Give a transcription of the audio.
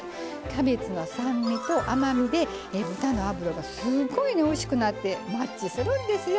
キャベツの酸味と甘みで豚の脂がすごいねおいしくなってマッチするんですよ。